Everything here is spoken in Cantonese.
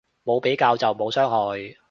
冇比較就冇傷害